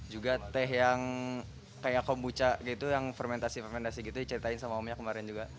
juga teh yang kayak kombucha gitu yang fermentasi fermentasi gitu diceritain sama omnya kemarin juga